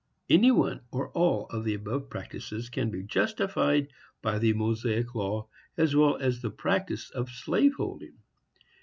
Any one, or all, of the above practices, can be justified by the Mosaic law, as well as the practice of slave holding.